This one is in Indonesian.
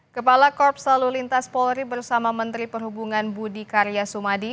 kepala korps lalu lintas polri bersama menteri perhubungan budi karya sumadi